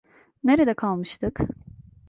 Nerede kalmıştık?